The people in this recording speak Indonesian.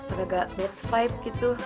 agak agak world vibe gitu